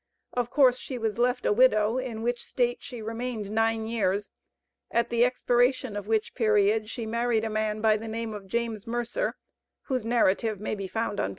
Of course she was left a widow, in which state she remained nine years, at the expiration of which period, she married a man by the name of James Mercer, whose narrative may be found on p.